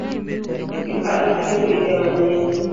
Giparo biro iga manyien